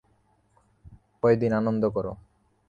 কয়দিন আনন্দ কর।